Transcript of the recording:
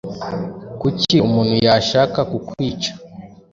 Kuki umuntu yashaka kukwica?